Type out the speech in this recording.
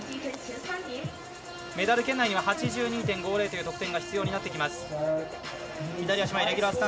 メダル圏内には８２．５０という得点が必要になってきます。